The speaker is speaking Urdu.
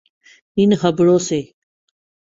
ان خبروں سے؟